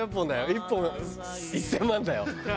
１本１０００万だよ。